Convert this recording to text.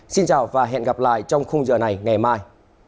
xin chào và hẹn gặp lại trong khung giờ này ngày mai